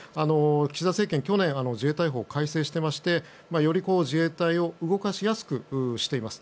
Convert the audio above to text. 岸田政権、去年自衛隊法を改正していましてより自衛隊を動かしやすくしています。